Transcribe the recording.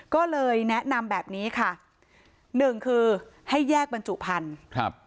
ก็เลยแนะนำแบบนี้ค่ะ๑ให้แยกบรรจุภัณฑ์